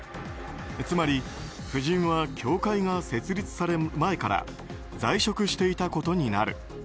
つまり、夫人は協会が設立される前から在職していたことになる。